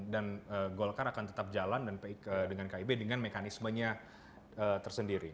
dan golkar akan tetap jalan dengan kib dengan mekanismenya tersendiri